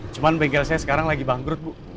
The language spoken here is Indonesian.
cuma bengkel saya sekarang lagi bangkrut bu